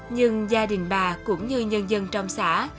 nhưng gia đình bà cũng như nhân dân trong xã